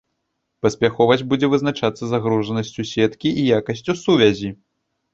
Паспяховасць будзе вызначацца загружанасцю сеткі і якасцю сувязі.